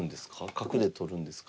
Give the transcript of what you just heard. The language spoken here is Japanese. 角で取るんですか？